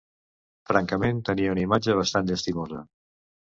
Francament, tenia una imatge bastant llastimosa.